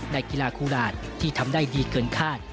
กีฬาคูราชที่ทำได้ดีเกินคาด